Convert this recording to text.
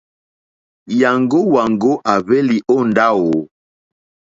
Nyàŋgo wàŋgo à hwelì o ndawò?